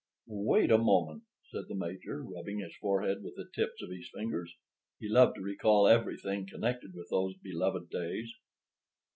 "Wait a moment," said the Major, rubbing his forehead with the tips of his fingers. He loved to recall everything connected with those beloved days.